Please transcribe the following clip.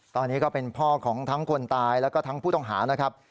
ตอนนี้ก็เป็นพ่อของทั้งคนตายแล้วก็ทั้งผู้ต้องหานะครับ